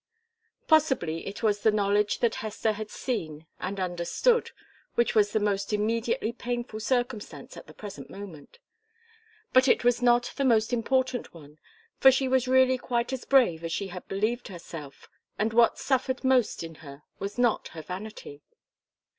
Possibly it was the knowledge that Hester had seen and understood which was the most immediately painful circumstance at the present moment; but it was not the most important one, for she was really quite as brave as she had believed herself, and what suffered most in her was not her vanity.